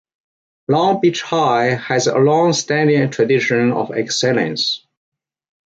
Long Beach High has a long-standing tradition of excellence.